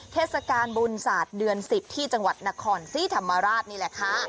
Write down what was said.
เทศกาลบุญศาสตร์เดือน๑๐ที่จังหวัดนครศรีธรรมราชนี่แหละค่ะ